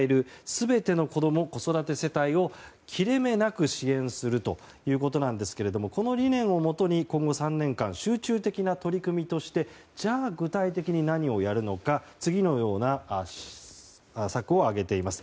全ての子ども・子育て世帯を切れ目なく支援するということなんですがこの理念をもとに、今後３年間集中的な取り組みとしてじゃあ、具体的に何をやるのか次のような策を挙げています。